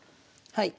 はい。